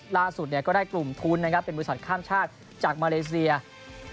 ล่าสุดก็ได้กลุ่มทุนเป็นบริษัทข้ามชาติจากมาเลเมริกา